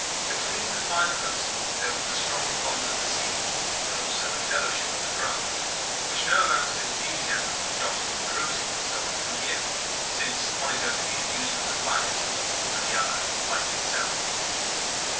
Between the five of us there was the strong bond of the sea, and also the fellowship of the craft, which no amount of enthusiasm for yachting, cruising, and so on can give, since one is only the amusement of life and the other is life itself.